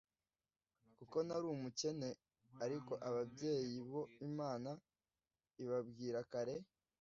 kuko nari umukene ariko ababyeyi bo Imana ibibabwira kare